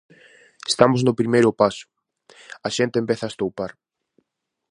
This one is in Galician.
Estamos no primeiro paso, a xente empeza a estoupar.